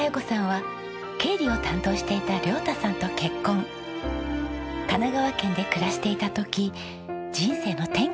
神奈川県で暮らしていた時人生の転機が訪れます。